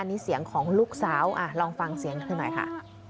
นี่เสียงของลูกสาวลองฟังเสียงเธอหน่อยค่ะ